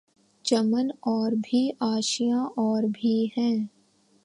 چمن اور بھی آشیاں اور بھی ہیں